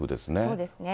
そうですね。